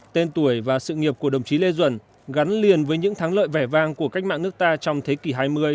tên tuổi và sự nghiệp của đồng chí lê duẩn gắn liền với những thắng lợi vẻ vang của cách mạng nước ta trong thế kỷ hai mươi